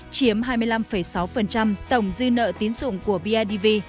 chiếm hai mươi năm sáu tổng dư nợ tín dụng của bidv